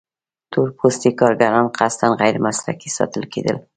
تور پوستي کارګران قصداً غیر مسلکي ساتل کېدل.